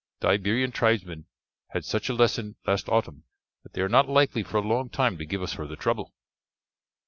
The Iberian tribesmen had such a lesson last autumn that they are not likely for a long time to give us further trouble."